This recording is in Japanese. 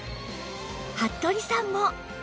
服部さんも